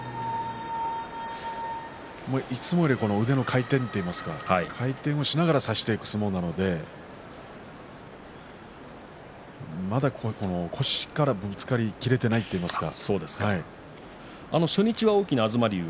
いつもより腕の回転といいますか回転しながら差していく相撲なのでまだ腰からぶつかり切れていないといいますか。